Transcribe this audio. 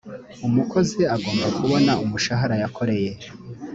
umukozi agomba kubona umushahara yakoreye